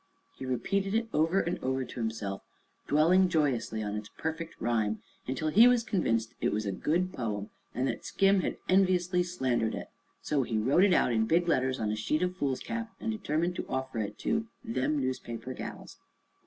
He repeated it over and over to himself, dwelling joyously on its perfect rhyme, until he was convinced it was a good poem and that Skim had enviously slandered it. So he wrote it out in big letters on a sheet of foolscap and determined to offer it to "them newspaper gals."